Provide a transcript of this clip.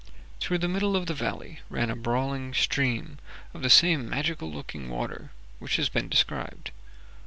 Through the middle of the valley ran a brawling stream of the same magical looking water which has been described.